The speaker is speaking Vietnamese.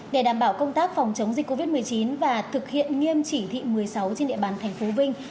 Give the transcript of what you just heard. để đảm bảo công tác phòng chống dịch covid một mươi chín và thực hiện nghiêm chỉ thị một mươi sáu trên địa bàn thành phố vinh